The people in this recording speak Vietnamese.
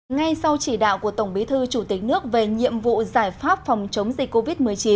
ngay sau chỉ đạo của tổng bí thư chủ tịch nước về nhiệm vụ giải pháp phòng chống dịch covid một mươi chín